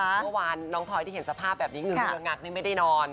เมื่อวานน้องทอยที่เห็นสภาพแบบนี้คืองักนี่ไม่ได้นอน